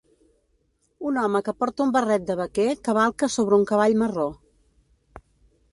Un home que porta un barret de vaquer cavalca sobre un cavall marró.